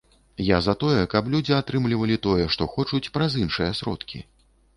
Я за тое, каб людзі атрымлівалі тое, што хочуць, праз іншыя сродкі.